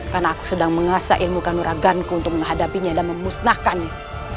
karena aku sedang mengasah ilmu kanuraganku untuk menghadapinya dan memusnahkannya